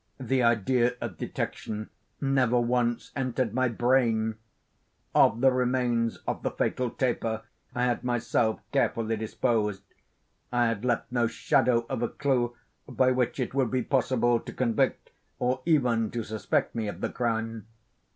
The idea of detection never once entered my brain. Of the remains of the fatal taper I had myself carefully disposed. I had left no shadow of a clew by which it would be possible to convict, or even to suspect me of the crime.